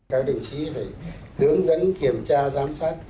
các đồng chí phải hướng dẫn kiểm tra giám sát